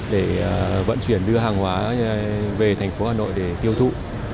để vận chuyển đưa hàng hóa về tp hà nội để tiêu thụ